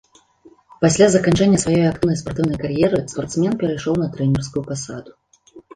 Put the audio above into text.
Пасля заканчэння сваёй актыўнай спартыўнай кар'еры спартсмен перайшоў на трэнерскую пасаду.